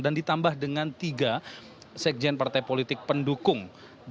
dan ditambah dengan tiga sekjen partai politik pendukung